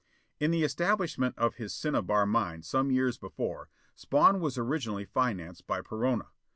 In the establishment of his cinnabar mine some years before, Spawn was originally financed by Perona.